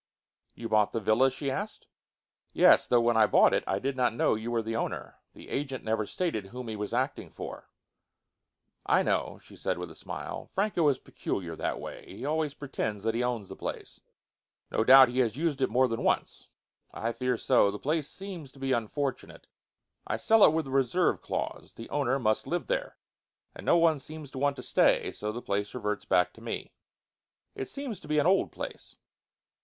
"You bought the villa?" she asked. "Yes. Though, when I bought it, I did not know that you were the owner. The agent never stated whom he was acting for." "I know," she said with a smile. "Franco is peculiar that way. He always pretends that he owns the place." "No doubt he has used it more than once." "I fear so. The place seems to be unfortunate. I sell it with a reserve clause. The owner must live there. And no one seems to want to stay; so the place reverts back to me." "It seems to be an old place."